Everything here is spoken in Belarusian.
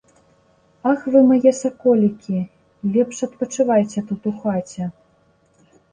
Ах вы мае саколікі, лепш адпачывайце тут у хаце.